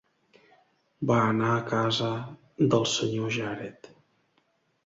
Va anar a casa del Sr. Jared.